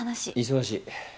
忙しい。